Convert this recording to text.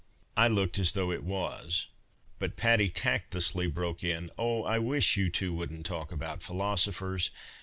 I looked as though it was, but Patty tactlessly broke in, " Oh, I wish you two wouldn't talk about philosophers.